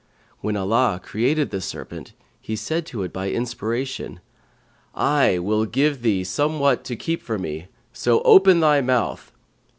When Allah created this serpent He said to it by inspiration, 'I will give thee somewhat to keep for me, so open thy mouth.'